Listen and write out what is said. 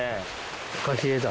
フカヒレだ。